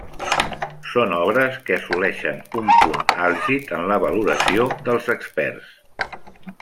Són obres que assoleixen un punt àlgid en la valoració dels experts.